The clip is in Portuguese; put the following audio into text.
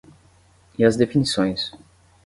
E as definições?